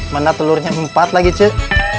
mana telurnya empat lagi cek